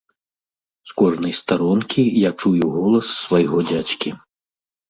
З кожнай старонкі я чую голас свайго дзядзькі.